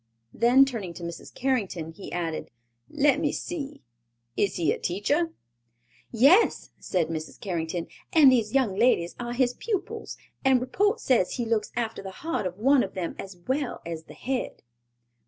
Then turning to Mrs. Carrington, he added, "Let me see—is he a teacher?" "Yes," said Mrs. Carrington, "and these young ladies are his pupils, and report says he looks after the heart of one of them as well as the head."